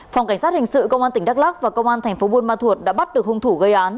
phòng cảnh sát hình sự công an tỉnh đắk lắk và công an tp bùn ma thuột đã bắt được hung thủ gây án